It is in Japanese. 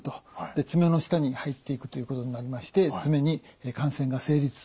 爪の下に入っていくということになりまして爪に感染が成立すると。